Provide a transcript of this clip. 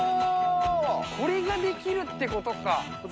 これができるってことか。